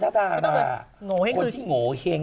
ต้องเรียกหนูเฮ้งที่หนูเฮ้ง